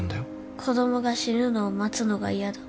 子供が死ぬのを待つのが嫌だ。